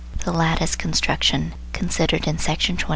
the lattice construction, considered in Section 24.